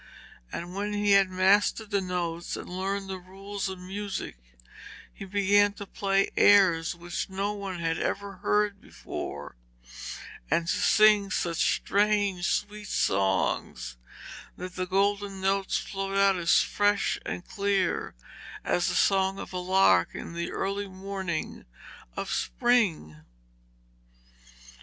And when he had mastered the notes and learned the rules of music, he began to play airs which no one had ever heard before, and to sing such strange sweet songs that the golden notes flowed out as fresh and clear as the song of a lark in the early morning of spring.